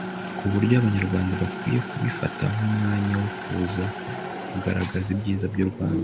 ku buryo Abanyarwanda bakwiye kubifata nk’ umwanya wo kuza kugaragaza ibyiza by’ u Rwanda